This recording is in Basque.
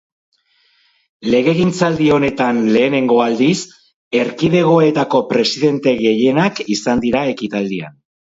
Legegintzaldi honetan lehenengo aldiz, erkidegoetako presidente gehienak izan dira ekitaldian.